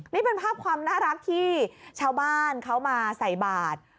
นี่เป็นภาพความน่ารักที่ชาวบ้านเขามาใส่บาท